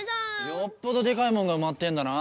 よっぽどでかいもんがうまってんだな。